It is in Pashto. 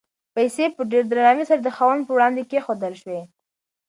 پیسې په ډېر درناوي سره د خاوند په وړاندې کېښودل شوې.